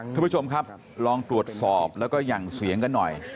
ทุกผู้ชมครับลองตรวจสอบแล้วก็หยั่งเสียงกันหน่อย